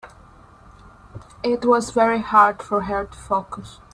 It was very hard for her to focus.